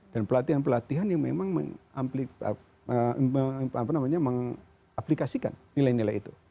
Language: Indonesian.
dan pelatihan pelatihan yang memang mengaplikasikan nilai nilai itu